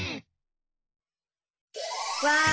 わあ！